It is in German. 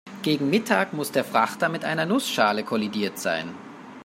Gegen Mittag muss der Frachter mit einer Nussschale kollidiert sein.